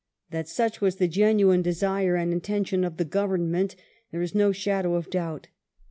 That such was the genuine desire and intention of the Government, there is not a shadow of doubt.